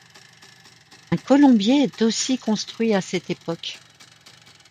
Un colombier est aussi construit à cette époque.